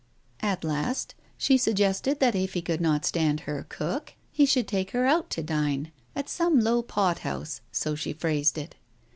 At last she suggested that if he could not stand her cook he should take her out to dine at "some low pot house," so she phrased it.